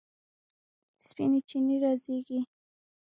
سپینې چینې رازیږي